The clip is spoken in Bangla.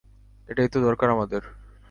এটাই তো দরকার আমাদের।